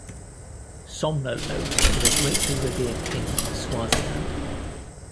Somhlolo is a greatly revered king of Swaziland.